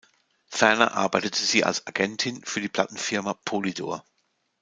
Ferner arbeitete sie als Agentin für die Plattenfirma Polydor.